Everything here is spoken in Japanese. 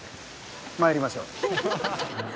参りましょう。